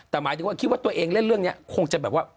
แต่หมายถึงว่าคิดว่าตัวเองเล่นเรื่องนี้คงจะแบบว่า